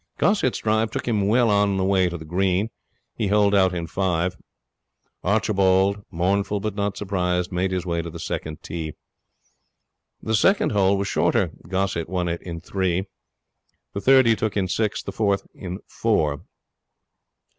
Gossett's drive took him well on the way to the green. He holed out in five. Archibald, mournful but not surprised, made his way to the second tee. The second hole was shorter. Gossett won it in three. The third he took in six, the fourth in four.